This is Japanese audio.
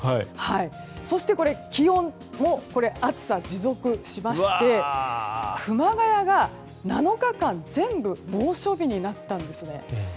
そして、気温も暑さ持続しまして熊谷が７日間全部猛暑日になったんです。